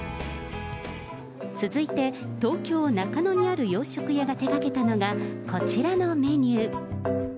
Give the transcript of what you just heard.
続いて、東京・中野にある洋食屋が手がけたのが、こちらのメニュー。